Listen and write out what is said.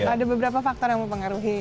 ada beberapa faktor yang mau pengaruhi